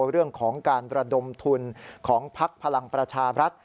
เรื่องของการระดมทุนของพักพลังประชาบรัฐ